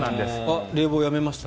冷房やめました？